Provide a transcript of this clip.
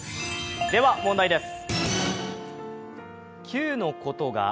では、問題です。